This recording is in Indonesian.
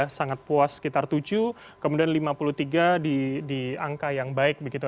sangat puas sekitar tujuh kemudian lima puluh tiga di angka yang baik begitu